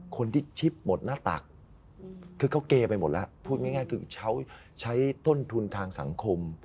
คนที่ชิปหมดหน้าตักคือเขาเกย์ไปหมดแล้วพูดง่ายคือใช้ต้นทุนทางสังคม